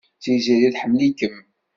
Tiziri tḥemmel-ikem.